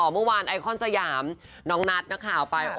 เมื่อวานไอคอนสยามน้องนัทนักข่าวไป